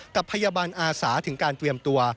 กับพยาบาลอาสาถึงการเตรียมตัว